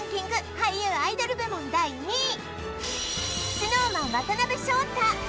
俳優アイドル部門第２位ＳｎｏｗＭａｎ渡辺翔太